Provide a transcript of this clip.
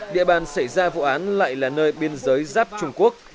địa bàn xảy ra vụ án lại là nơi biên giới giáp trung quốc